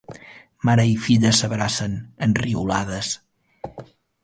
Mare i filla s'abracen, enriolades.